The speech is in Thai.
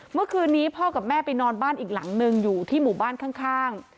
เมื่อคืนนี้พ่อกับแม่ไปนอนบ้านอีกหลังนึงอยู่ที่หมู่บ้านข้าง